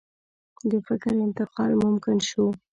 د فکر انتقال ممکن شو.